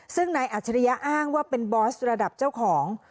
ซึ่งนายอัจฉริยะอ้างว่าเป็นบอสระดับเจ้าของ